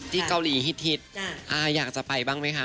ที่เกาหลีฮิตอยากจะไปบ้างไหมคะ